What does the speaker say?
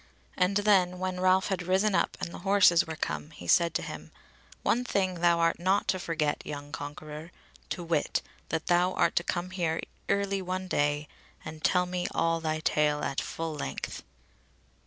And then, when Ralph had risen up and the horses were come, he said to him: "One thing thou art not to forget, young conqueror, to wit, that thou art to come here early one day, and tell me all thy tale at full length."